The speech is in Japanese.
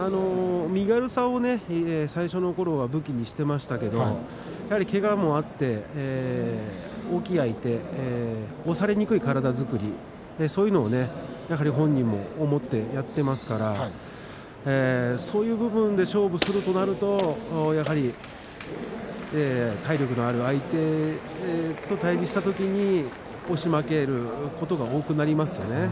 身軽さを最初のころは武器にしていましたけどけがもあって大きい相手押されにくい体作りそういうのを本人も思ってやっていますからそういう部分で勝負するとなるとやはり体力のある相手と対じしたときに押し負けることが多くなりますよね。